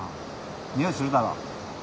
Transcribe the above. においするだろ。